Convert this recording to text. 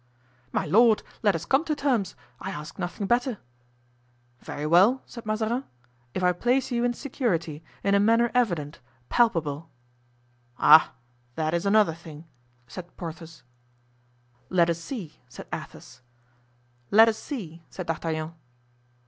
"My lord, let us come to terms; I ask nothing better." "Very well," said Mazarin, "if I place you in security, in a manner evident, palpable——" "Ah! that is another thing," said Porthos. "Let us see," said Athos. "Let us see," said D'Artagnan.